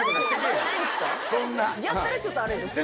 えへんやったらちょっとあれですよ